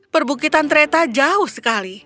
perbukitan treta jauh sekali